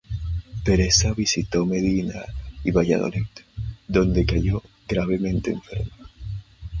Teresa visitó Medina y Valladolid, donde cayó gravemente enferma.